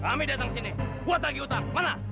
kami datang ke sini untuk membuat hutang